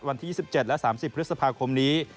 วันที่๒๗และ๓๐พฤษภาคมนี้